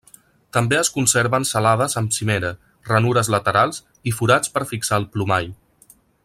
També es conserven celades amb cimera, ranures laterals i forats per fixar el plomall.